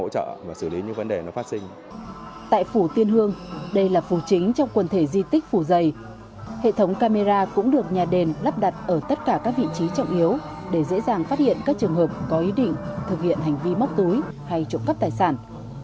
tại phủ tiên hương đây là phủ chính trong quần thể di tích phủ giày hệ thống camera cũng được nhà đền lắp đặt ở tất cả các vị trí trọng yếu để dễ dàng phát hiện các trường hợp có ý định thực hiện hành vi móc túi hay trộm cắp tài sản